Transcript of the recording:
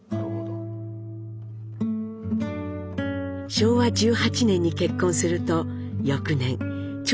昭和１８年に結婚すると翌年長女が誕生。